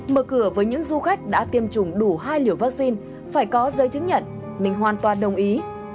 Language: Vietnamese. mở cửa với những du khách đã tiêm chủng đủ hai liều vaccine phải có giấy chứng nhận mình hoàn toàn đồng ý